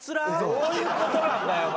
どういう事なんだよお前。